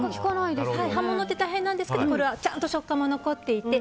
葉物って大変なんですけどこれは、ちゃんと食感も残っていて。